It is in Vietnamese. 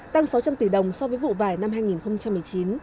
tăng sáu trăm linh tỷ đồng so với vụ vải năm hai nghìn một mươi chín